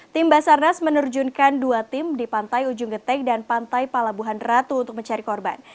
tim basarnas menerjunkan dua tim di pantai ujung getek dan pantai palabuhan ratu untuk mencari korban